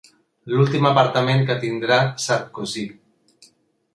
L'últim apartament que tindrà Sarkozy.